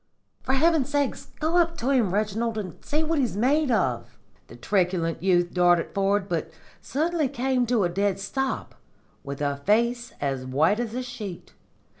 'For heaven's sake, go up to him, Reginald, and see what he's made of.' "The truculent youth darted forward, but suddenly came to a dead stop, with a face as white as a sheet.